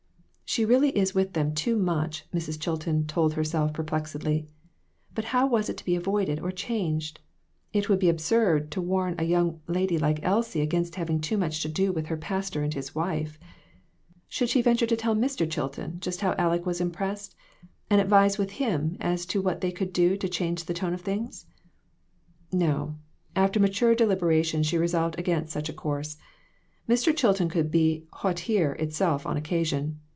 "She really is with them too much," Mrs. Chil ton told herself perplexedly. But how was it to be avoided or changed ? It would be absurd to warn a young lady like Elsie against having too much to do with her pastor and his wife ! Should she venture to tell Mr. Chilton just how Aleck was impressed, and advise with him as to what they could do to change the tone of things ? No; after mature deliberation, she resolved against such a course. Mr. Chilton could be hauteur itself on occasion.